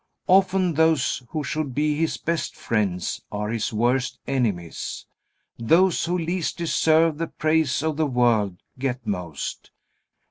Often those who should be his best friends, are his worst enemies. Those who least deserve the praise of the world, get most.